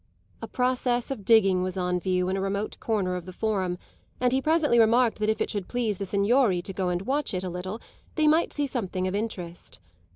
A process of digging was on view in a remote corner of the Forum, and he presently remarked that if it should please the signori to go and watch it a little they might see something of interest.